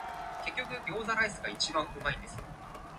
共產黨建國都唔夠一百年